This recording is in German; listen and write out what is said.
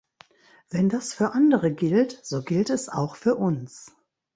Wenn das für andere gilt, so gilt es auch für uns.